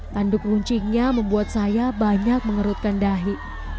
tanduk runcingnya membuat saya banyak mengerutkan dahi